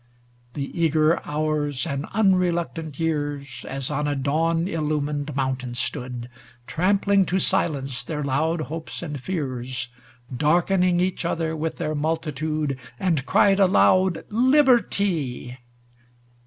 XI The eager hours and unreluctant years As on a dawn illumined mountain stood, Trampling to silence their loud hopes and fears, Darkening each other with their multi tude, And cried aloud. Liberty